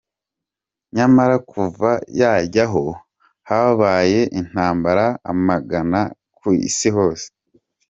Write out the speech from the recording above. Nyamara kuva yajyaho, habaye intambara amagana ku isi hose.